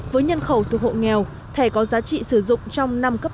với nhân khẩu thuộc hộ nghèo thẻ có giá trị sử dụng năm năm kể từ ngày được cấp